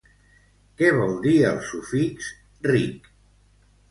Què vol dir el sufix -ric?